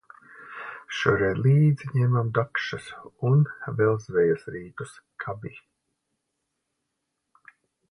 Šoreiz līdzi ņēmām dakšas un vēl zvejas rīkus kabi.